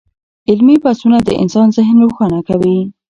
علمي بحثونه د انسان ذهن روښانه کوي.